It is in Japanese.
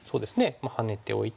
まあハネておいて。